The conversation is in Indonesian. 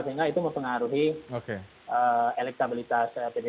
sehingga itu mempengaruhi elektabilitas